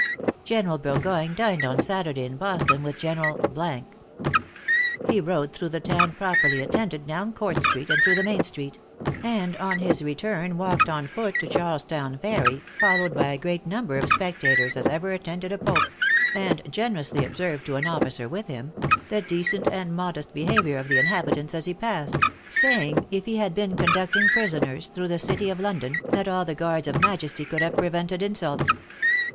General Burgoyne dined on Saturday in Boston with General . He rode through the town properly attended, down Court street and through the main street; and on his return walked on foot to Charlestown Ferry, followed by a great number of spectators as ever attended a Pope; and generously observed to an officer with him, the decent and modest behavior of the inhabitants as he passed; saying, if he had been conducting prisoners through the city of London, not all the Guards of Majesty could have prevented insults.